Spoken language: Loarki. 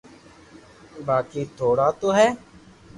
باقي ٿوڙا تو ھي